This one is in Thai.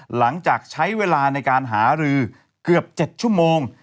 หลังจากใช้เวลาในการหารือเกือบ๗ชั่วโมง